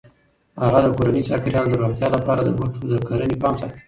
هغې د کورني چاپیریال د روغتیا لپاره د بوټو کرنې پام ساتي.